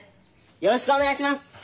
よろしくお願いします。